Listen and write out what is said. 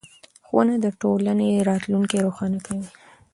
ښوونه د ټولنې راتلونکی روښانه کوي